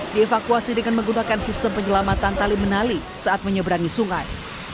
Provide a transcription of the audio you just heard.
dievakuasi dengan menggunakan sistem penyelamatan tali menali saat menyeberangi sungai